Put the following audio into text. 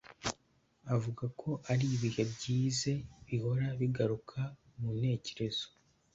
Avuga ko ari ibihe byize bihora bigaruka mu ntekerezo